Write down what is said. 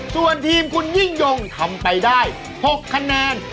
ส่วนทีมคุณยิ่งยงทำไปได้๖คะแนน